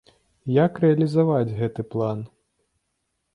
Як рэалізаваць гэты план?